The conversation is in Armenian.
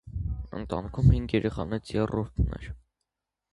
Ընտանիքում հինգ երեխաներից երրորդն էր։